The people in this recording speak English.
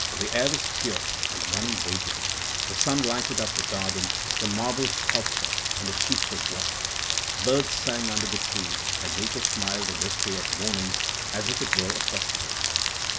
The air was pure and the morning radiant. The sun lighted up the garden, the marble sculpture, and the sheets of water. Birds sang under the trees, and nature smiled on this day of mourning as if it were a festival.